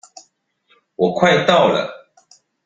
我快到了